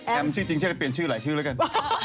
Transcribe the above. ชื่อจริงเชื่อได้เปลี่ยนชื่อหลายชื่อแล้วกัน